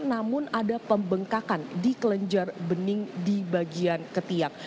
namun ada pembengkakan di kelenjar bening di bagian ketiak